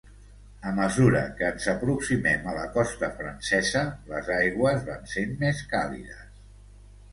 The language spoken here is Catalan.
A mesura que ens aproximem a la costa francesa, les aigües van sent més càlides.